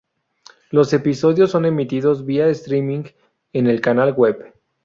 Los episodios son emitidos vía streaming en el canal web.